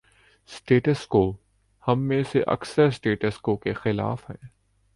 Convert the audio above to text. ’Status quo‘ ہم میں سے اکثر 'سٹیٹس کو‘ کے خلاف ہیں۔